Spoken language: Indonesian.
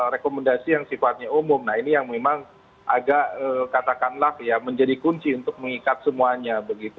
rekomendasi yang sifatnya umum nah ini yang memang agak katakanlah ya menjadi kunci untuk mengikat semuanya begitu